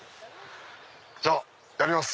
じゃあやります。